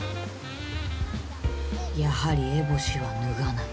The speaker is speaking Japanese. やはり烏帽子は脱がない。